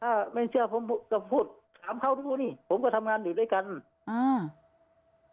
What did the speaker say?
ถ้าไม่เชื่อผมจะพูดถามเขาทุกคนนี่ผมก็ทำงานอยู่ด้วยกันอ่า